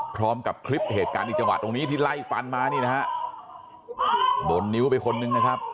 พร้อมกับคลิปเหตุการณ์ในจังหวัดตรงนี้ที่ไล่ฟันมานี่นะฮะบนนิ้วไปคนนึงนะครับ